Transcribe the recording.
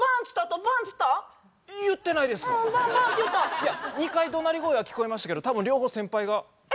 いや２回どなり声は聞こえましたけど多分両方先輩が。え？